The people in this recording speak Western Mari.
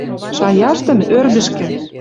Шаяштым — ӧрдӹжкӹ!